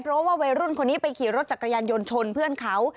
เพราะว่าวัยรุ่นคนนี้ไปขี่รถจักรยานยนต์ชนเพื่อนเขา